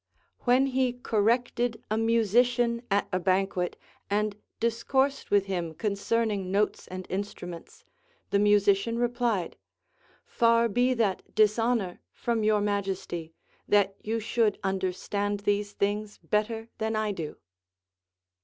AVhen he corrected a musician at a banquet, and discoursed with him concerning notes and instruments, the musician replied : Far be that dishonor from your majesty, that you should understand these things better than I do.